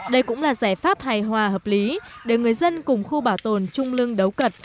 đây cũng là giải pháp hài hòa hợp lý để người dân cùng khu bảo tồn trung lưng đấu cật